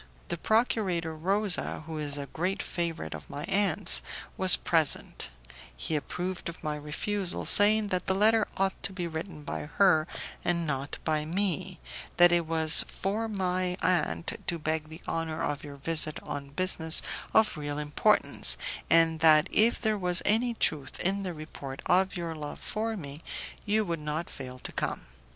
The procurator Rosa, who is a great favourite of my aunt's, was present; he approved of my refusal, saying that the letter ought to be written by her and not by me, that it was for my aunt to beg the honour of your visit on business of real importance, and that, if there was any truth in the report of your love for me, you would not fail to come.